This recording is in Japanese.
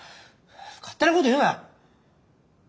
勝手なこと言うな。